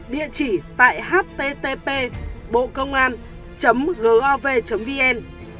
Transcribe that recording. địa chỉ tại http bocongan gov vn